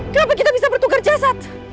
kenapa kita bisa bertukar jasad